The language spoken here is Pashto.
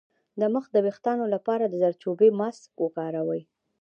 د مخ د ويښتانو لپاره د زردچوبې ماسک وکاروئ